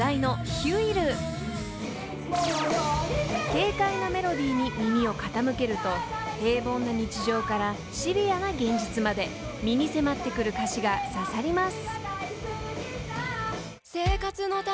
［軽快なメロディーに耳を傾けると平凡な日常からシビアな現実まで身に迫ってくる歌詞が刺さります］